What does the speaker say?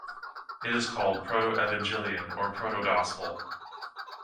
It is called "Proto-Evangelion" or "Proto-Gospel".